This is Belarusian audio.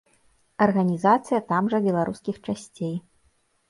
Арганізацыя там жа беларускіх часцей.